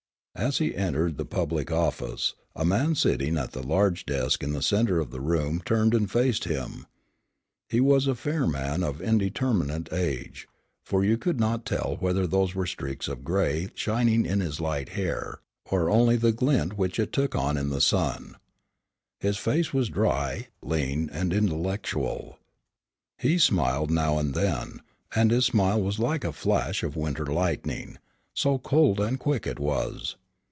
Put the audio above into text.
As he entered the public office, a man sitting at the large desk in the centre of the room turned and faced him. He was a fair man of an indeterminate age, for you could not tell whether those were streaks of grey shining in his light hair, or only the glint which it took on in the sun. His face was dry, lean and intellectual. He smiled now and then, and his smile was like a flash of winter lightning, so cold and quick it was.